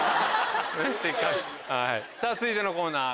続いてのコーナー